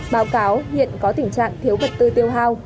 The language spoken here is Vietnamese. báo cáo hiện có tình trạng thiếu vật tư tiêu hao